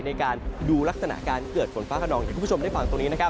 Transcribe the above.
ในการดูลักษณะการเกิดฝนฟ้าขนองอย่างคุณผู้ชมได้ฟังตรงนี้นะครับ